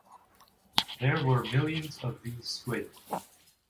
There were millions of these squid.